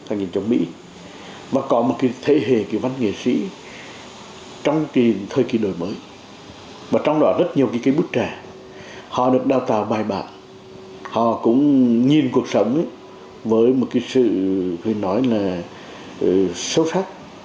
chất hiệu phong phú cảm hứng sáng tạo cho văn nghệ sĩ nên văn học nghệ thuật quốc nhạc gần như tác